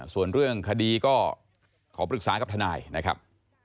ส่วนเรื่องคดีก็ขอปรึกษากับทนายนะครับ